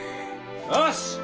よし！